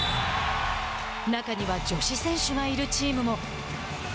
中には女子選手がいるチームも。